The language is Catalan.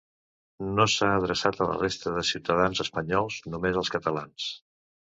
No s’ha adreçat a la resta de ciutadans espanyols, només als catalans.